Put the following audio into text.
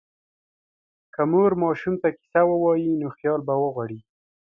که مور ماشوم ته کیسه ووایي، نو خیال به وغوړېږي.